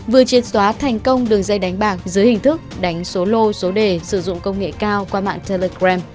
vừa triệt xóa thành công đường dây đánh bạc dưới hình thức đánh số lô số đề sử dụng công nghệ cao qua mạng telegram